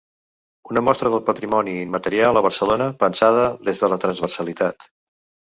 Una mostra del patrimoni immaterial a Barcelona pensada des de la transversalitat.